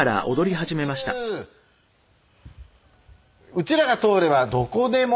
「ウチらが通ればどこでも？